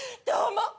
どうも。